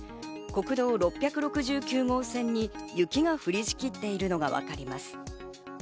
国道６６９号線に雪が降りしきっているのがわかります。